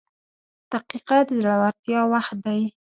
• دقیقه د زړورتیا وخت دی.